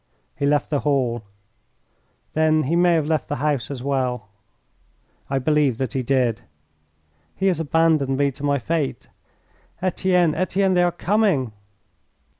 "He left the hall." "Then he may have left the house as well." "I believe that he did." "He has abandoned me to my fate. Etienne, Etienne, they are coming!"